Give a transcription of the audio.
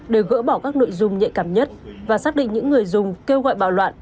để gỡ bỏ các nội dung nhạy cảm nhất và xác định những người dùng kêu gọi bạo loạn